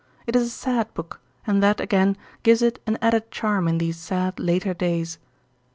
It is a sad book; and that, again, gives it an added charm in these sad later days.